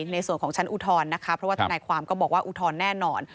ในส่วนของชั้นอุทธรณ์นะคะเพราะว่าทนายความก็บอกว่าอุทธรณ์แน่นอน